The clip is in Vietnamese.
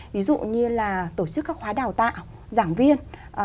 ví dụ như là tổ chức các khóa đào tạo giảng viên